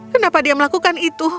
kenapa dia melakukan itu